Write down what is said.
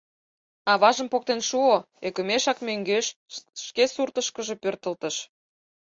Аважым поктен шуо, ӧкымешак мӧҥгеш, шке суртышкыжо, пӧртылтыш.